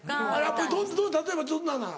例えばどんなんなの？